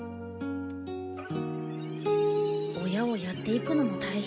親をやっていくのも大変なんだね。